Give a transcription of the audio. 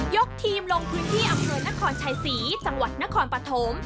ทีมลงพื้นที่อำเภอนครชัยศรีจังหวัดนครปฐม